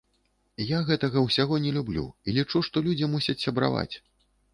Я гэтага ўсяго не люблю і лічу, што людзі мусяць сябраваць.